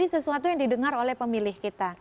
ini sesuatu yang didengar oleh pemilih kita